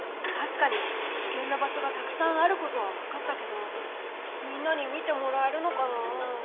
確かに危険な場所がたくさんあることは分かったけどみんなに見てもらえるのかな？